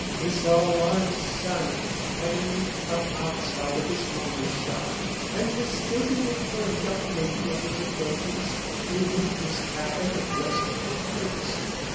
He saw a large salmon hanging up outside a fish monger's shop, and, mistaking it for a young lady of his acquaintance, removed his cap and addressed it with courtesy.